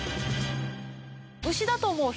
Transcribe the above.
牛だと思う人？